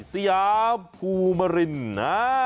สยาช์ภูมิรินต์